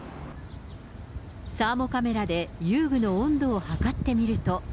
サーモカメラで遊具の温度を測ってみると。